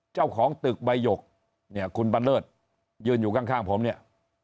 เจ้าของตึกใบหยกเนี่ยคุณบันเลิศยืนอยู่ข้างผมเนี่ย